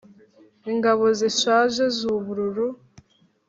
ingabo zishaje zubururu